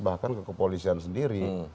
bahkan ke kepolisian sendiri